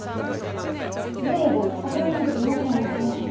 随分お金持ちになったんですね。